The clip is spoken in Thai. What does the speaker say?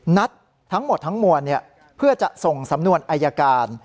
นัดทั้งหมดทั้งมวลเพื่อจะส่งสำนวนอายการ